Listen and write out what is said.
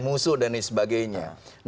musuh dan sebagainya